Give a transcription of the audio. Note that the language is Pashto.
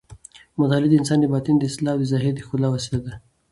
مطالعه د انسان د باطن د اصلاح او د ظاهر د ښکلا وسیله ده.